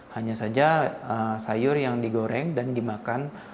hanya saja sayur yang digoreng dan dimakan